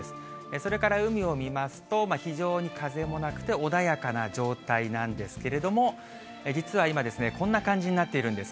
それから海を見ますと、非常に風もなくて穏やかな状態なんですけれども、実は今、こんな感じになっているんです。